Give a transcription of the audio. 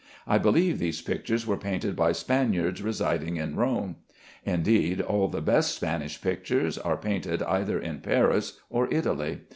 I believe these pictures were painted by Spaniards residing in Rome. Indeed all the best Spanish pictures are painted either in Paris or Italy.